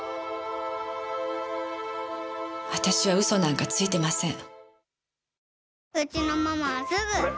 私は嘘なんかついてません。